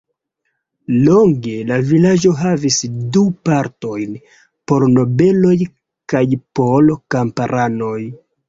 Longe la vilaĝo havis du partojn, por nobeloj kaj por kamparanoj.